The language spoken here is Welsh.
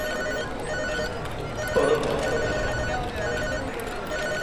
Creodd y trefniant hwn lawer o broblemau.